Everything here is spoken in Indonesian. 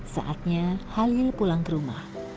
saatnya halil pulang ke rumah